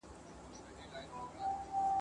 ټول وطن به سي غوجل د حیوانانو ..